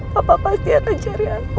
papa pasti akan cari aku aku kemana